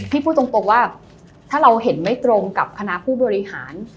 พูดตรงว่าถ้าเราเห็นไม่ตรงกับคณะผู้บริหาร